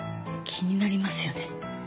気になりますよね。